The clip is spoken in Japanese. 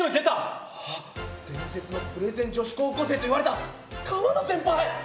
伝説のプレゼン女子高校生といわれた河野先輩！